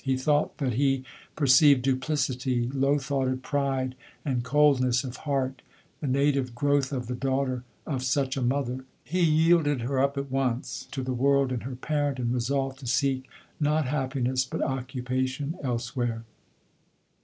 He thought that he per ceived duplicity, low though ted pride, and cold ness of heart, the native growth of the daughter of such a mother. He yielded her up at once to the world and her parent, and resolved to seek, not happiness, but occupation elsewhere.